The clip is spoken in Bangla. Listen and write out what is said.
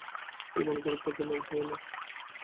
বিমান গুরুত্বপূর্ণ হয় না, স্যার।